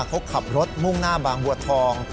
เขาขับรถมุ่งหน้าบางบัวทอง